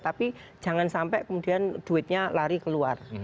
tapi jangan sampai kemudian duitnya lari keluar